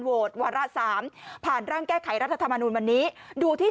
โหดวารระสามผ่านร่างเก้คัยรัฐธมานุลวันนี้ดูที่